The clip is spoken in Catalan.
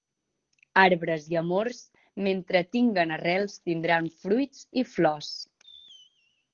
Arbres i amors, mentre tinguen arrels tindran fruits i flors.